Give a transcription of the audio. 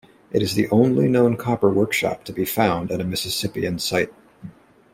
It is the only known copper workshop to be found at a Mississippian site.